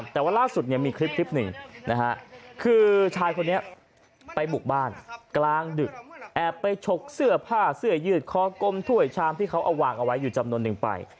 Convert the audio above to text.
แต่ว่าล่าสุดเนี่ยมีคลิปหนึ่งนะฮะคือชายคนนี้ไปบุกบ้านกลางดึกแอบไปฉกเสื้อผ้าเสื้อยืดคอกลมถ้วยชามที่เขาเอาวางเอาไว้อยู่จำนวนนึงไป